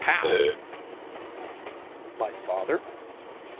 "POW!" "My father?"